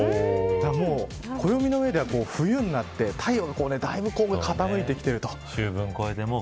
もう暦の上では冬になって太陽がだいぶ傾いてきてると。